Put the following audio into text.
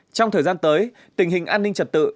trong thời gian tới tình hình an ninh trật tự